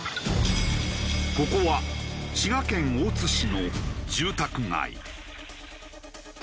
ここは滋賀県大津市の住宅街。